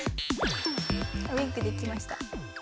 ウインクできました。